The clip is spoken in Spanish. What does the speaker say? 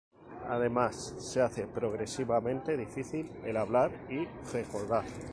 Además, se hace progresivamente difícil el hablar y recordar.